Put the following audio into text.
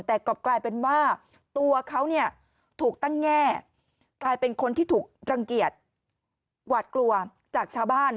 แต่กลับกลายเป็นว่าตัวเขาเนี่ยถูกตั้งแง่กลายเป็นคนที่ถูกรังเกียจหวาดกลัวจากชาวบ้าน